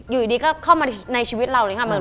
อยู่ดีก็เข้ามาในชีวิตเราเลยค่ะ